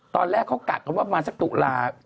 ตอนแรกเขากะกันว่ามาสักตุลาคม